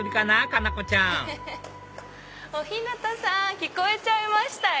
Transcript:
佳菜子ちゃん小日向さん聞こえちゃいましたよ。